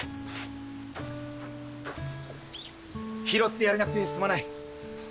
拾ってやれなくてすまない。